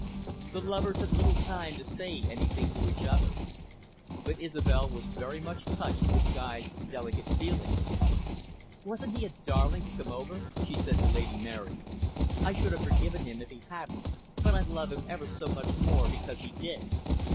The lovers had little time to say anything to each other. But Isobel was very much touched with Guy's delicate feeling. "Wasn't he a darling to come over?" she said to Lady Mary. "I should have forgiven him if he hadn't, but I love him ever so much more because he did."